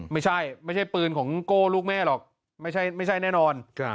ไม่ใช่ไม่ใช่ปืนของโก้ลูกแม่หรอกไม่ใช่แน่นอน